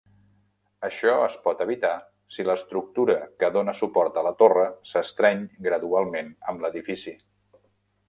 Això es pot evitar si l'estructura que dóna suport a la torre s'estreny gradualment amb l'edifici.